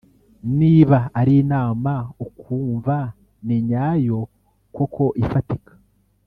niba ari inama ukumva ni nyayo koko ifatika